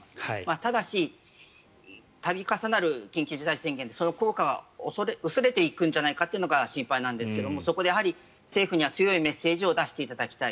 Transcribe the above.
ただし、度重なる緊急事態宣言でその効果が薄れていくんじゃないかというのが心配なんですがそこでやはり政府には強いメッセージを出していただきたい。